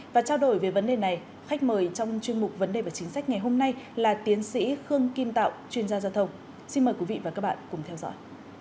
và trao đổi về vấn đề này khách mời trong chuyên mục vấn đề và chính sách ngày hôm nay là tiến sĩ khương kim tạo chuyên gia giao thông xin mời quý vị và các bạn cùng theo dõi